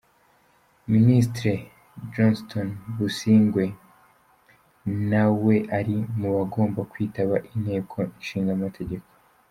Minisitiri Jonston Busingye nawe ari mubagomba kwitaba Inteko Ishinga amateko .